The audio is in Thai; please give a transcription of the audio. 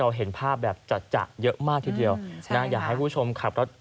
เห็นภาพแบบจัดเยอะมากทีเดียวนะอยากให้ผู้ชมขับรถ